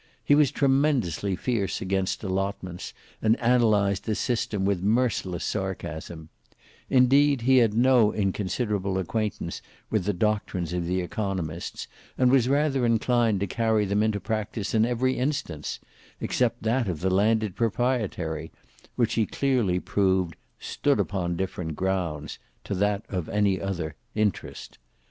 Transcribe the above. He was tremendously fierce against allotments and analysed the system with merciless sarcasm, Indeed he had no inconsiderable acquaintance with the doctrines of the economists, and was rather inclined to carry them into practice in every instance, except that of the landed proprietary, which he clearly proved "stood upon different grounds" to that of any other "interest."